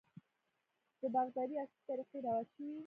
د باغدارۍ عصري طریقې رواج شوي.